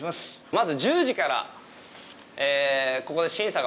まず１０時からここで審査が行われます。